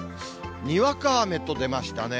にわか雨と出ましたね。